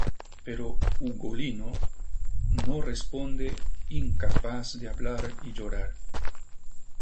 Pero Ugolino no responde, incapaz de hablar y llorar.